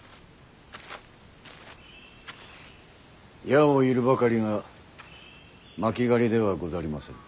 矢を射るばかりが巻狩りではござりませぬ。